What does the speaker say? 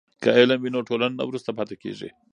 که علم وي نو ټولنه نه وروسته پاتې کیږي.